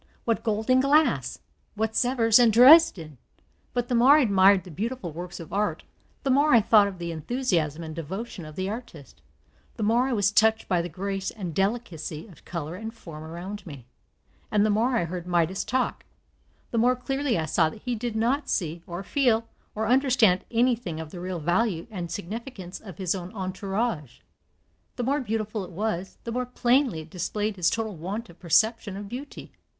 what gold and glass! what Sevres and Dresden! But the more I admired the beautiful works of art, the more I thought of the enthusiasm and devotion of the artist, the more I was touched by the grace and delicacy of color and form around me; and the more I heard Midas talk, the more clearly I saw that he did not see, or feel, or understand anything of the real value and significance of his own entourage. The more beautiful it was, the more plainly it displayed his total want of perception of beauty.